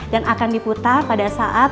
dan akan diputar pada saat